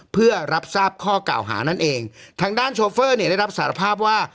เพื่อรับทราบข้อกล่าวหานั่นเองทางด้านโชเฟอร์เนี่ยได้รับสารภาพว่า